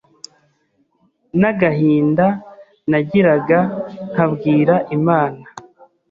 n’agahinda nagiraga nkabwira Imana